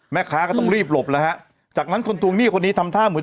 แม่ค้าก็ต้องรีบหลบแล้วฮะจากนั้นคนทวงหนี้คนนี้ทำท่าเหมือน